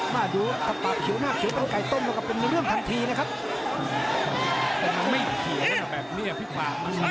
ไม่เคียงด้วยแบบนี้นะพี่ค่า